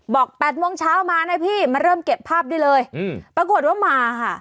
๘โมงเช้ามานะพี่มาเริ่มเก็บภาพได้เลยปรากฏว่ามาค่ะ